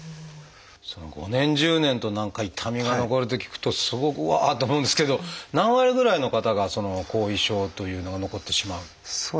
その５年１０年と痛みが残るって聞くとすごくうわって思うんですけど何割ぐらいの方がその後遺症というのが残ってしまう？